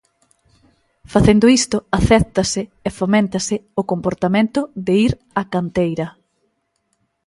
Facendo isto acéptase e foméntase o comportamento de ir á canteira.